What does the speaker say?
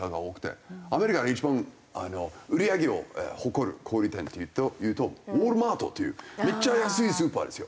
アメリカで一番売り上げを誇る小売店っていうとウォルマートというめっちゃ安いスーパーですよ。